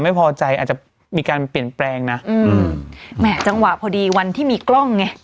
ไม่พอใจอาจจะมีการเปลี่ยนแปลงนะอืมแหม่จังหวะพอดีวันที่มีกล้องไง